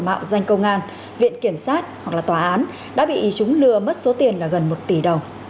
mạo danh công an viện kiểm soát hoặc là tòa án đã bị ý chúng lừa mất số tiền gần một tỷ đồng